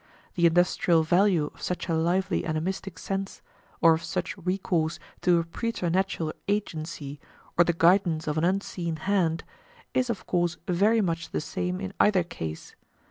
The industrial value of such a lively animistic sense, or of such recourse to a preternatural agency or the guidance of an unseen hand, is of course very much the same in either case.